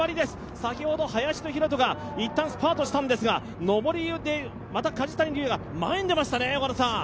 先ほど林田洋翔がいったんスパートしたんですが上りでまた梶谷瑠哉が前に出ましたね。